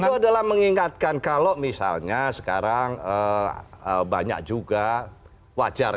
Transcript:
itu adalah mengingatkan kalau misalnya sekarang banyak juga wajar